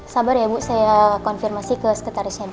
sabar ya bu saya konfirmasi ke sekretarisnya dulu